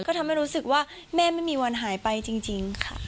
ก็ทำให้รู้สึกว่าแม่ไม่มีวันหายไปจริงค่ะ